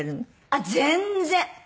あっ全然！